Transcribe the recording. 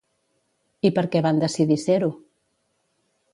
I per què van decidir ser-ho?